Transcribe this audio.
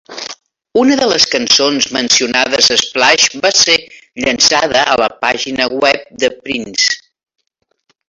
Una de les cançons mencionades, "Splash", va ser llançada a la pàgina web de Prince.